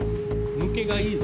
抜けがいいぞ。